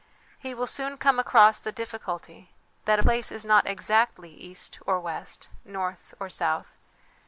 He will soon come across the difficulty, that a place is not exactly east or west, north or south.